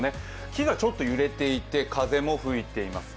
木がちょっと揺れていて風も吹いています。